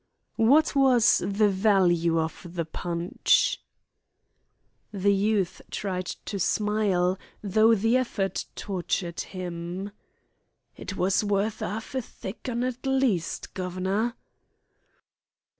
"What was the value of the punch?" The youth tried to smile, though the effort tortured him. "It was worth 'arf a thick 'un at least, guv'nor."